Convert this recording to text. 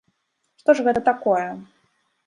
Што ж гэта такое?!